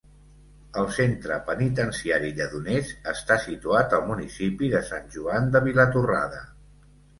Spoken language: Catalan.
El Centre Penitenciari Lledoners està situat al municipi de Sant Joan de Vilatorrada.